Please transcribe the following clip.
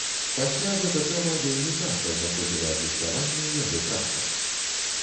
Пасля гэта тэма вельмі часта знаходзіла адлюстраванне ў яго працах.